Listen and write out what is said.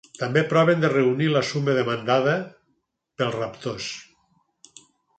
També proven de reunir la suma demanada pels raptors.